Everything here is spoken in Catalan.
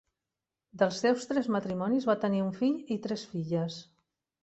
Dels seus tres matrimonis va tenir un fill i tres filles.